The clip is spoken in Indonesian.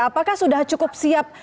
apakah sudah cukup siap